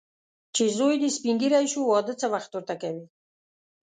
چې زوی دې سپین ږیری شو، واده څه وخت ورته کوې.